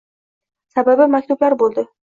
sababi maktublar bo’ldi.